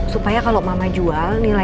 supaya kalau mama jual